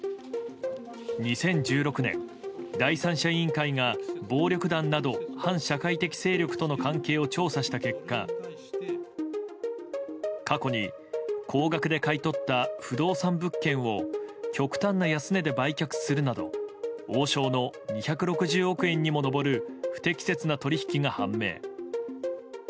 ２０１６年、第三者委員会が暴力団など反社会的勢力との関係を調査した結果過去に高額で買い取った不動産物件を極端な安値で売却するなど王将の２６０億円にも上る不適切な取引が判明。